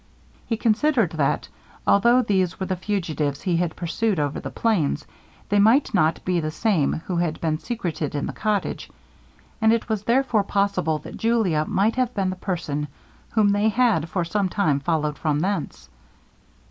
He considered that, although these were the fugitives he had pursued over the plains, they might not be the same who had been secreted in the cottage, and it was therefore possible that Julia might have been the person whom they had for some time followed from thence.